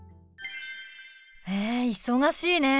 へえ忙しいね。